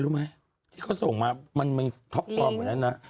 รู้ไหมที่เขาส่งมามันท็อปฟอร์มกว่านั้นนะ